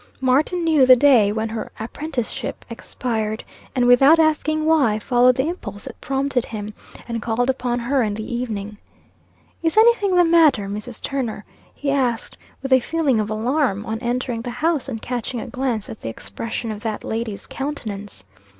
Martin knew the day when her apprenticeship expired, and without asking why, followed the impulse that prompted him, and called upon her in the evening. "Is any thing the matter, Mrs. Turner?" he asked, with a feeling of alarm, on entering the house and catching a glance at the expression of that lady's countenance.